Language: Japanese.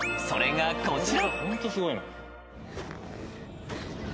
［それがこちら］